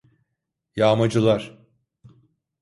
Yağmacılar…